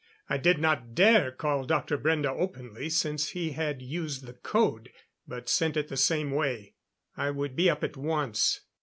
I did not dare call Dr. Brende openly, since he had used the code, but sent it the same way. I would be up at once.